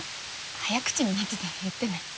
早口になってたら言ってね。